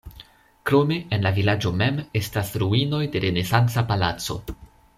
Krome en la vilaĝo mem estas ruinoj de renesanca palaco.